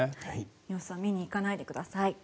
様子を見に行かないでください。